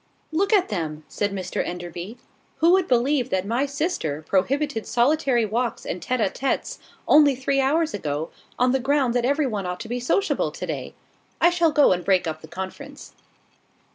"Look at them!" said Mr Enderby. "Who would believe that my sister prohibited solitary walks and tete a tetes, only three hours ago, on the ground that every one ought to be sociable to day? I shall go and break up the conference."